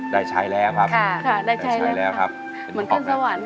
ได้ใช้แล้วครับค่ะได้ใช้แล้วครับเหมือนขึ้นสวรรค์